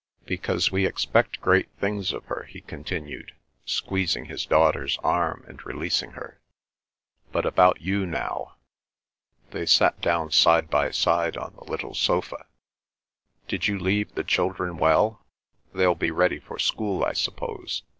"Because we expect great things of her," he continued, squeezing his daughter's arm and releasing her. "But about you now." They sat down side by side on the little sofa. "Did you leave the children well? They'll be ready for school, I suppose.